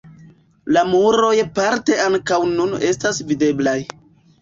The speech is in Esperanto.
La muroj parte ankaŭ nun estas videblaj.